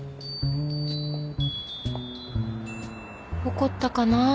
怒ったかなぁ